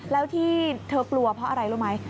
แล้วที่เธอกลัวเพราะอะไรรู้ไหม